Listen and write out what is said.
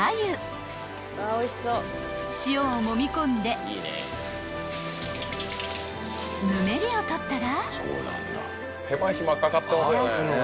［塩をもみこんでぬめりを取ったら］